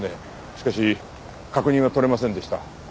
しかし確認はとれませんでした。